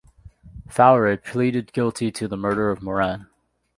Faure pleaded guilty to the murder of Moran.